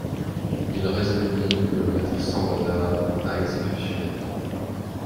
Il résolut donc de le mettre sans retard à exécution.